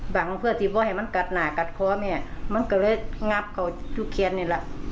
บังเพื่อที่ว่าให้มันกัดหน้ากัดคอแม่มันก็เลยงับเขาทุกเคียนนี่แหละ